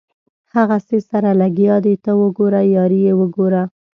هغسې سره لګیا دي ته وګوره یاري یې وګوره.